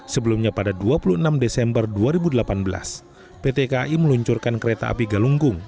sebelumnya pada dua puluh enam desember dua ribu delapan belas pt kai meluncurkan kereta api galunggung